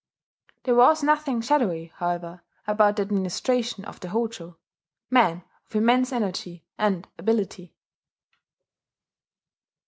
There was nothing shadowy, however, about the administration of the Hojo, men of immense energy and ability.